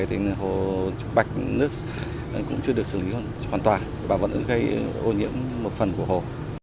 hồ bạch nước cũng chưa được xử lý hoàn toàn và vẫn gây ô nhiễm một phần của hồ